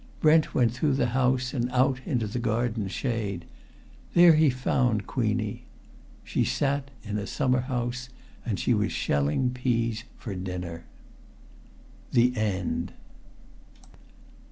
Brent went through the house, and out into the garden's shade. There he found Queenie. She sat in a summer house, and she was shelling peas for dinner. THE END.